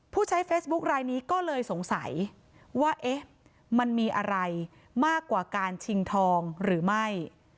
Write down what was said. ผู้ใช้เฟซบุ๊คลายนี้ก็เลยสงสัยว่าเอ๊ะมันมีอะไรมากกว่าการชิงทองหรือไม่